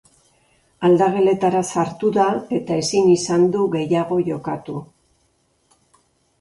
Aldageletara sartu da eta ezin izan du gehiago jokatu.